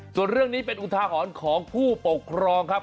ส่วนเรื่องนี้เป็นอุทาหรณ์ของผู้ปกครองครับ